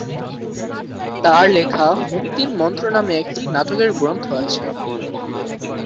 তার লেখা "মুক্তির মন্ত্র" নামে একটি নাটকের গ্রন্থ আছে।